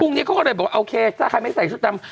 นี้เขาก็เลยบอกโอเคถ้าใครไม่ใส่ชุดดำ